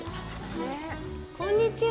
こんにちは。